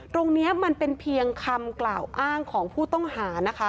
ตรงนี้มันเป็นเพียงคำกล่าวอ้างของผู้ต้องหานะคะ